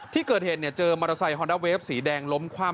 ที่เกิดเหตุเจอมอเตอร์ไซค์ฮอนด้าเวฟสีแดงล้มคว่ำ